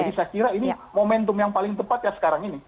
jadi saya kira ini momentum yang paling tepat ya sekarang ini